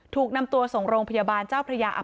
ถูกนำตัวส่งโรงพยาบาลเจ้าพระยา